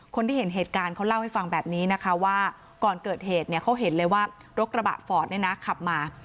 คนที่เห็นเหตุการณ์เขาเล่าให้ฟังแบบนี้นะคะว่าก่อนเกิดเหตุเนี่ยเขาเห็นเลยว่ารถกระบะฟอร์ดเนี่ยนะขับมา